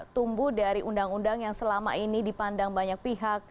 tumbuh dari undang undang yang selama ini dipandang banyak pihak